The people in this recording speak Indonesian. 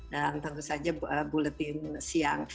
dan tentu saja buletin siang